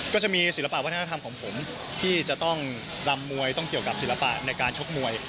ก็จะมีศิลปะวัฒนธรรมของผมที่จะต้องรำมวยต้องเกี่ยวกับศิลปะในการชกมวย